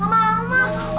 gak mau ma